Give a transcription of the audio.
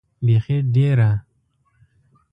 بېخي ډېر هههه.